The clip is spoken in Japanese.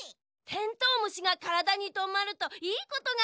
テントウムシがからだにとまるといいことがあるのだ。